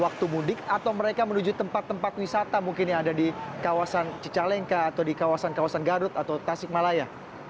waktu mudik atau mereka menuju tempat tempat wisata mungkin yang ada di kawasan cicalengka atau di kawasan kawasan garut atau tasikmalaya